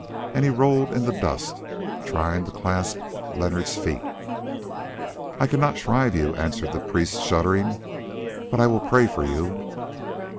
and he rolled in the dust, trying to clasp Leonard's feet. "I cannot shrive you," answered the priest shuddering, "but I will pray for you."